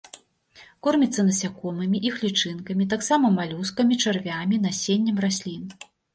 Корміцца насякомымі, іх лічынкамі, таксама малюскамі, чарвямі, насеннем раслін.